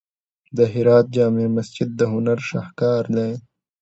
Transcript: د هرات جامع مسجد د هنر شاهکار دی.